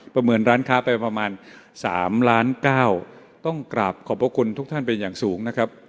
ประเมินร้านค้าไปประมาณ๓๙๐๐๐ต้องกราบขอบพระคุณทุกท่านไปอย่างสูงนะครับ